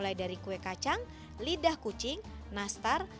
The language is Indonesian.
mulai dari kue kacang lidah kucing nastar